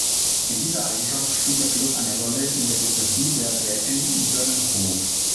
In dieser Eigenschaft spielt der Fluss eine Rolle in der Biographie der Gräfin Dönhoff.